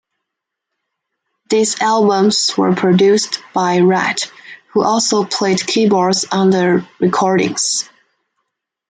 These albums were produced by Wright, who also played keyboards on the recordings.